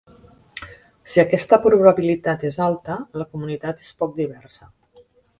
Si aquesta probabilitat és alta, la comunitat és poc diversa.